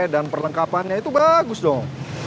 dan perlengkapannya itu bagus dong